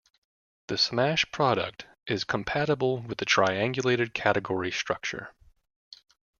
The smash product is compatible with the triangulated category structure.